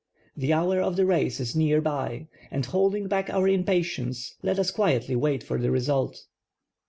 The hour of the r ^ce is near by and liolding back our impatience let us quietly wait for the result.